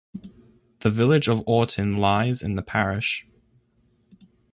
The village of Oreton lies in the parish.